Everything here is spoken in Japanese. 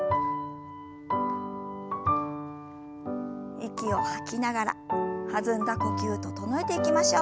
息を吐きながら弾んだ呼吸整えていきましょう。